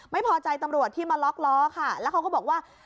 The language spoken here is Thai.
ไม่พอใจตำรวจที่มาล็อกล้อค่ะแล้วเขาก็บอกว่า